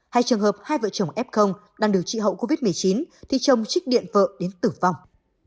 hay trường hợp hai vợ chồng f đang điều trị hậu covid một mươi chín thì chồng trích điện vợ đến tử vong